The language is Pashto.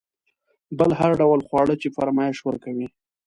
بل هر ډول خواړه چې فرمایش ورکوئ.